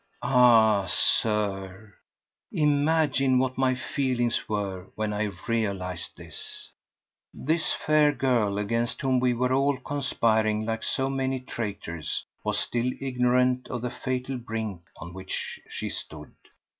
Ah, Sir! imagine what my feelings were when I realized this! This fair girl, against whom we were all conspiring like so many traitors, was still ignorant of the fatal brink on which she stood.